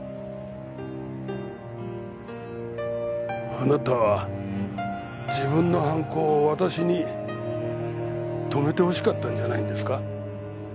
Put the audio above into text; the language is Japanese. あなたは自分の犯行を私に止めてほしかったんじゃないんですか？